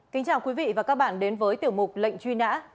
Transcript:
kính chào quý vị và các bạn đến với tiểu mục lệnh truy nã